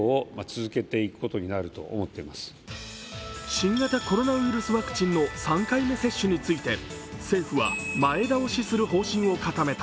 新型コロナウイルスワクチンの３回目接種について政府は、前倒しする方針を固めた。